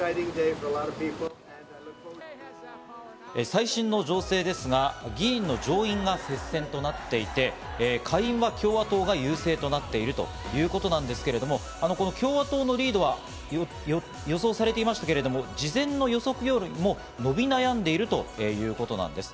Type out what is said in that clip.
最新の情勢ですが、議員の上院が接戦となっていて、下院は共和党が優勢となっているということなんですけれども、共和党のリードは予想されていましたけど、事前の予測よりも伸び悩んでいるということなんです。